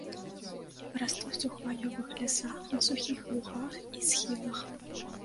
Растуць у хваёвых лясах, на сухіх лугах і схілах.